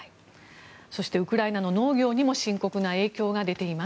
そしてウクライナの農業にも深刻な影響が出ています。